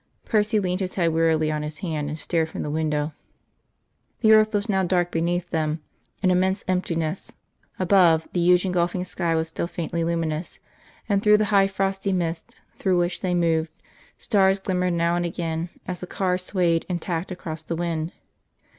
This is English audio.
Percy leaned his head wearily on his hand, and stared from the window. The earth was now dark beneath them an immense emptiness; above, the huge engulfing sky was still faintly luminous, and through the high frosty mist through which they moved stars glimmered now and again, as the car swayed and tacked across the wind.